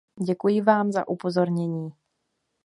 Děkuji vám za upozornění.